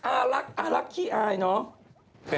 อารักอารักขี้อายเนอะ